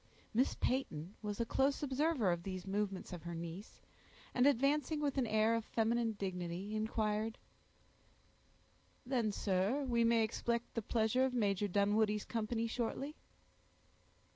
Miss Peyton was a close observer of these movements of her niece, and advancing with an air of feminine dignity, inquired,— "Then, sir, we may expect the pleasure of Major Dunwoodie's company shortly?"